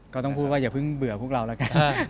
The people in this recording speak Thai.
ก็ต้องพูดว่าอย่าเพิ่งเบื่อพวกเราแล้วกัน